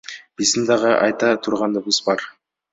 Биздин дагы айта тургандарыбыз бар.